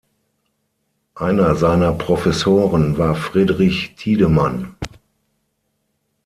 Einer seiner Professoren war Friedrich Tiedemann.